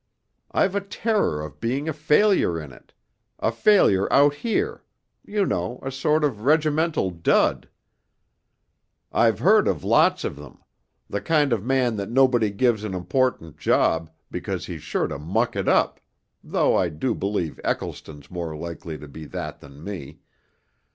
I've a terror of being a failure in it, a failure out here you know, a sort of regimental dud. I've heard of lots of them; the kind of man that nobody gives an important job because he's sure to muck it up (though I do believe Eccleston's more likely to be that than me).